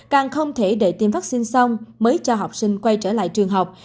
càng không thể để tiêm vaccine xong mới cho học sinh quay trở lại trường học